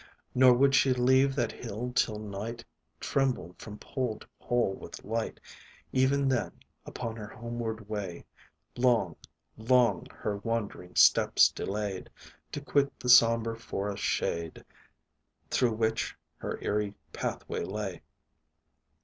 Nor would she leave that hill till night Trembled from pole to pole with light; Even then, upon her homeward way, Long long her wandering steps delayed To quit the sombre forest shade, Through which her eerie pathway lay.